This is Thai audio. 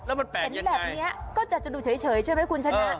แล้วมันแปลกยังไงเห็นที่แบบเนี้ยก็จะดูเฉยเฉยใช่ไหมคุณชนะ